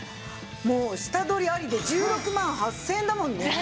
もう下取りありで１６万８０００円だもんね！